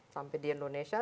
sampai di indonesia